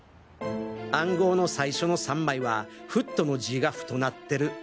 暗号の最初の３枚は「フット」の字ィが太なってる。